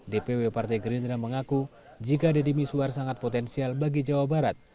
dpw partai gerindra mengaku jika deddy miswar sangat potensial bagi jawa barat